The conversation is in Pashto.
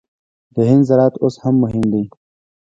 د هند زراعت اوس هم مهم دی.